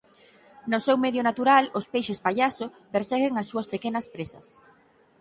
No seu medio natural os peixes pallaso perseguen as súas pequenas presas.